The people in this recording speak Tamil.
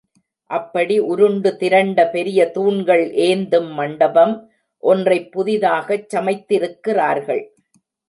அப்படி உருண்டு திரண்ட பெரிய தூண்கள் ஏந்தும் மண்டபம் ஒன்றைப் புதிதாகச் சமைத்திருக்கிறார்கள்.